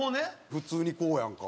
普通にこうやんか。